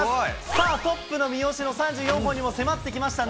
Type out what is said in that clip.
さあ、トップの三好の３４本にも迫ってきました。